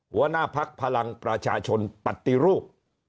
หัวหน้าภักร์พลังประชาชนปัฏตรีรูป